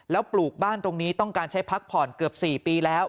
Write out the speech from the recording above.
แล้วปลูกบ้านตรงนี้ต้องการใช้พักผ่อนเกือบ๔ปีแล้ว